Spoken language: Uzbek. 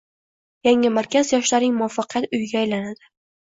Yangi markaz yoshlarning muvaffaqiyat uyiga aylanadi